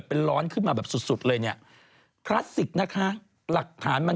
แล้วเขาของนี่ก็ออกมาตีกัน